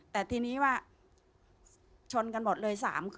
แต่ทีนี้ว่าชนกันหมดเลย๓คัน